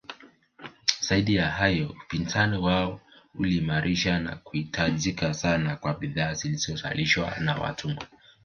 Zaidi ya hayo upinzani wao uliimarishwa na kuhitajika sana kwa bidhaa zilizozalishwa na watumwa